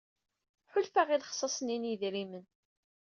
Ḥulfaɣ i lexṣaṣ-nni n yedrimen.